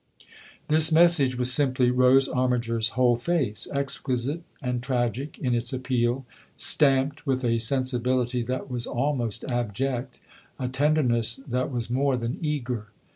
This message was simply Rose Armiger's whole face, exquisite and tragic in its appeal, stamped with a sensibility that was almost abject, a tenderness that was more than eager.